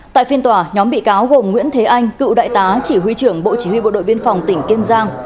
tại phiên tòa nhóm bị cáo gồm nguyễn thế anh cựu đại tá chỉ huy trưởng bộ chỉ huy bộ đội biên phòng tỉnh kiên giang